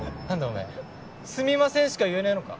お前「すみません」しか言えねえのか？